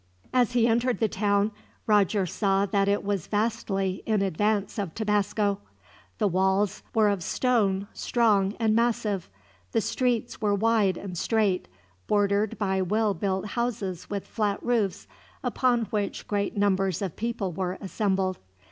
As he entered the town, Roger saw that it was vastly in advance of Tabasco. The walls were of stone, strong and massive. The streets were wide and straight, bordered by well built houses with flat roofs, upon which great numbers of people were assembled.